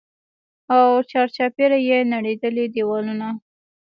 او چارچاپېره يې نړېدلي دېوالونه.